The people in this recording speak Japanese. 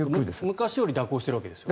昔より蛇行してるんですよね。